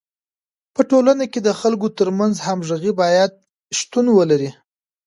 په ټولنه کي د خلکو ترمنځ همږغي باید شتون ولري.